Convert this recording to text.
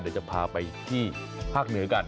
เดี๋ยวจะพาไปที่ภาคเหนือกัน